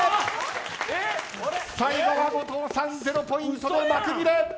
最後の後藤さん０ポイントで幕切れ。